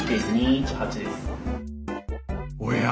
おや？